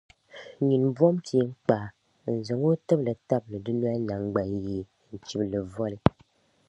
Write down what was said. nyin’ bom’ peeŋkpaa n-zaŋ o tibili tabili dunoli naŋgbanyee n-chib’ li voli.